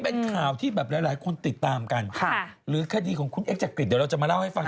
หรือวันนี้เป็นข่าวที่แบบหลายคนติดตามกันหรือคดีของคนเอ็กซ์จักริตเราจะมาเล่าให้ฟัง